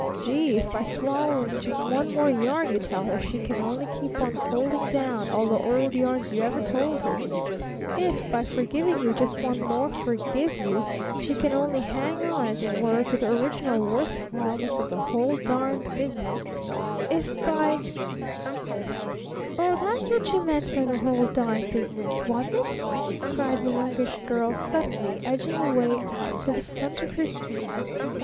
Gee! If by swallowing just one more yarn you tell her, she can only keep on holding down all the old yarns you ever told her if, by forgiving you just one more forgive you, she can only hang on, as it were, to the original worth whileness of the whole darned business if by " "Oh, that's what you meant by the 'whole darned business,' was it?" cried the Youngish Girl suddenly, edging away out to the front of her seat.